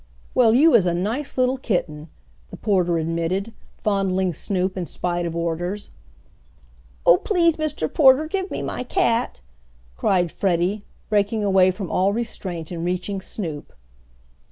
"Well, you is a nice little kitten," the porter admitted, fondling Snoop in spite of orders. "Oh, please, Mr. Porter, give me my cat!" cried Freddie, breaking away from all restraint and reaching Snoop.